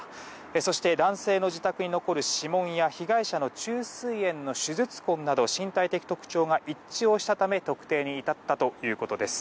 そして男性の自宅に残る指紋や被害者の虫垂炎の手術痕など身体的特徴が一致をしたため特定に至ったということです。